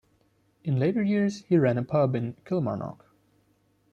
In later years he ran a pub in Kilmarnock.